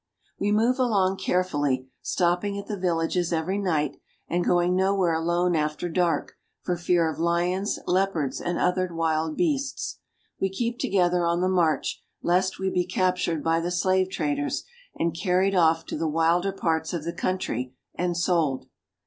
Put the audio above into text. We move along carefully, stopping at the villages every night, and going nowhere alone after dark for fear of lions, leopards, and other wild beasts. We keep together on the march, lest we be captured by the slave traders, and carried off to the wilder parts of the country, and sold.